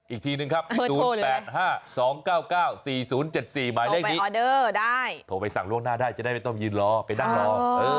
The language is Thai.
อีกทีนึงครับ๐๘๕๒๙๙๔๐๗๔หมายเลขนี้ออเดอร์ได้โทรไปสั่งล่วงหน้าได้จะได้ไม่ต้องยืนรอไปนั่งรอ